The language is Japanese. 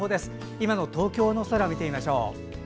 今の東京の空を見てみましょう。